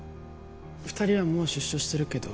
二人はもう出所してるけど